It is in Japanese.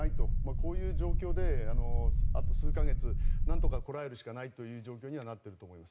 こういう状況であと数か月なんとかこらえるしかない状況になっていると思います。